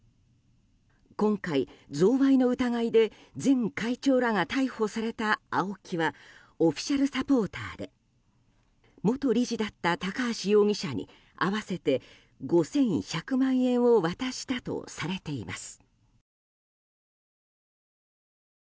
今回、贈賄の疑いで前会長らが逮捕されたＡＯＫＩはオフィシャルサポーターで元理事だった高橋容疑者に合わせて５１００万円を渡したとされています。